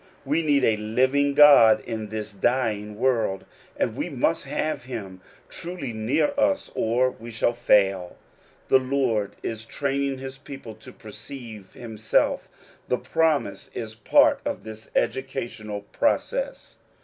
We need a living God in this dying orld, and we must have him truly near us, or shall fail. The Lord is training his people to iperceive himself: the promise is part of this educa ional process.